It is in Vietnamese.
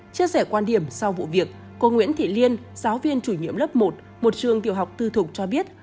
chia sẻ quan điểm sau vụ việc cô nguyễn thị liên giáo viên chủ nhiệm lớp một một trường tiểu học tư thục cho biết